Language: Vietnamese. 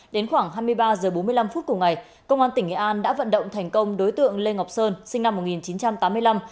đến khoảng hai mươi ba h bốn mươi năm phút cùng ngày công an tỉnh nghệ an đã vận động thành công đối tượng lê ngọc sơn sinh năm một nghìn chín trăm tám mươi năm